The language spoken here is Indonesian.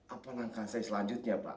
apa langkah saya selanjutnya pak